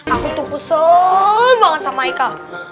aku tuh kesel banget sama haikal